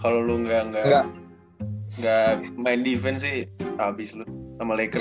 kalo lu ga main defense sih abis lu sama lakers ya